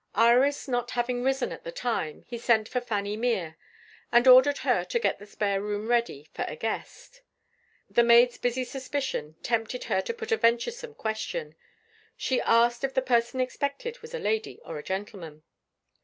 Iris not having risen at the time, he sent for Fanny Mere, and ordered her to get the spare room ready for a guest. The maid's busy suspicion tempted her to put a venturesome question. She asked if the person expected was a lady or a gentleman.